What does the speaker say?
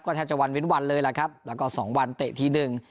แทบจะวันเว้นวันเลยล่ะครับแล้วก็สองวันเตะทีหนึ่ง